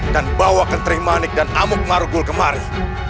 dan bawa kenteri manik dan amuk marugul kemari